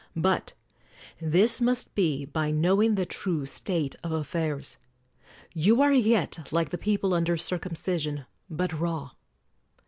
But this must be by knowing the true state of affairs! You are yet like the people under circumcision, but raw.